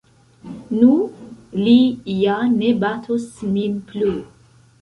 Nu, li ja ne batos min plu.